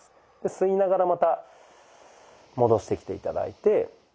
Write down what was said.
吸いながらまた戻してきて頂いて。